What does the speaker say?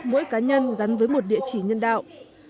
mỗi cá nhân gắn với một địa chỉ nhân đạo